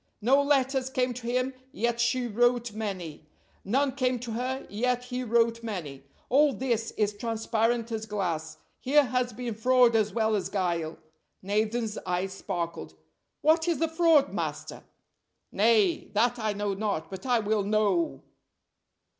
No letters came to him, yet she wrote many. None came to her, yet he wrote many. All this is transparent as glass here has been fraud as well as guile." Nathan's eye sparkled. "What is the fraud, master?" "Nay, that I know not, but I will know!"